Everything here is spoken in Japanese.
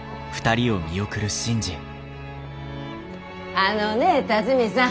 ☎あのね龍己さん。